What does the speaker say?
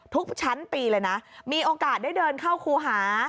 ทุกชั้นปีเลยนะมีโอกาสได้เดินเข้าครูหา